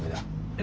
え